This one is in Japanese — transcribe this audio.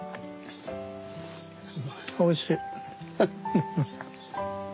おいしい。